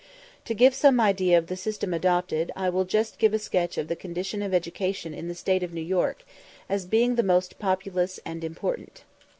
To give some idea of the system adopted, I will just give a sketch of the condition of education in the State of New York, as being the most populous and important.